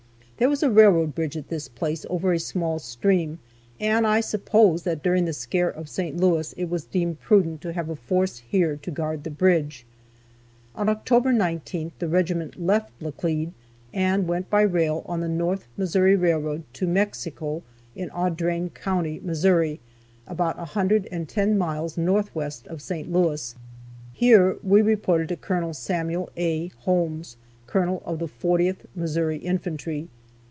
There was a railroad bridge at this place, over a small stream, and I suppose that during the scare at St. Louis it was deemed prudent to have a force here to guard the bridge. On October 19th the regiment left Laclede, and went by rail on the North Missouri railroad, to Mexico, in Audrain county, Missouri, about 110 miles northwest of St. Louis. Here we reported to Col. Samuel A. Holmes, Colonel of the 40th Missouri Infantry.